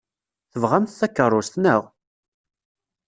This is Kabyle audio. Tebɣamt takeṛṛust, naɣ?